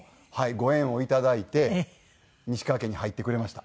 ご縁をいただいて西川家に入ってくれました。